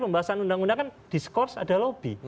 pembahasan undang undang kan di skos ada lobby